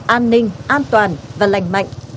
an ninh an toàn và lành mạnh